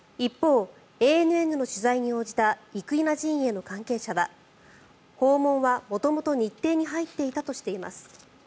一方、ＡＮＮの取材に応じた生稲陣営の関係者は訪問は元々日程に入っていたとしています。